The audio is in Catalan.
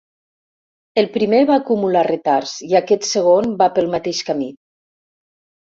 El primer va acumular retards i aquest segon va pel mateix camí.